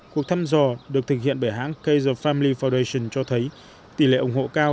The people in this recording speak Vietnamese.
cuộc thăm dò được thực hiện bởi hãng kaiser family foundation cho thấy tỷ lệ ủng hộ cao